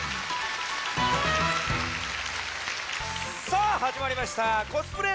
さあはじまりました「コスプレ！